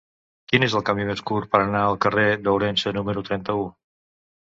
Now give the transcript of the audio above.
Quin és el camí més curt per anar al carrer d'Ourense número trenta-u?